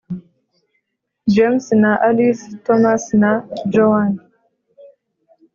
james na alice, thomas na joan,